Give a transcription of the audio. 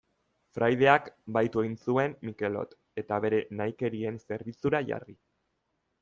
Fraideak bahitu egin zuen Mikelot, eta bere nahikerien zerbitzura jarri.